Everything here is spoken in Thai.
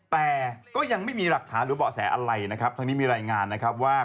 แต่ก็ยังไม่มีหลักฐานหรือเบาะแสอะไรนะครับทางนี้มีรายงานนะครับว่า